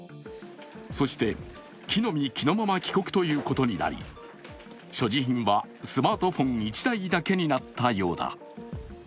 そして、着のみ着のまま帰国ということになり所持品はスマートフォン１台だけになったようだ。